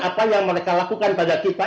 apa yang mereka lakukan pada kita